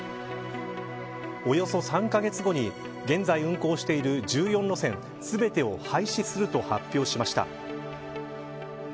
およそ３カ月後に現在運行している１４路線全てを廃止すると発表しました。